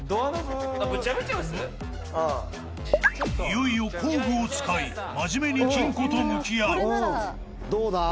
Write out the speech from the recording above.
［いよいよ工具を使い真面目に金庫と向き合う］